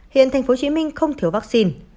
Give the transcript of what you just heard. hiện tp hcm không thiếu vaccine